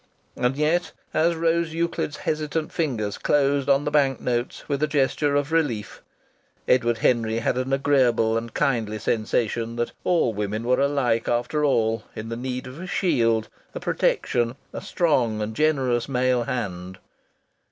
And yet, as Rose Euclid's hesitant fingers closed on the bank notes with a gesture of relief, Edward Henry had an agreeable and kindly sensation that all women were alike, after all, in the need of a shield, a protection, a strong and generous male hand.